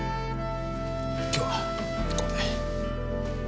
今日はこれで。